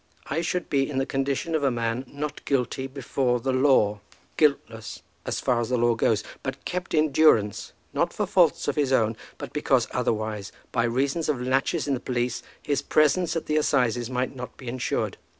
"I should be in the condition of a man not guilty before the law; guiltless, as far as the law goes, but kept in durance, not for faults of his own, but because otherwise, by reason of laches in the police, his presence at the assizes might not be ensured.